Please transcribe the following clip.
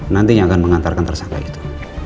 nantinya akan mengantarkan tersangka itu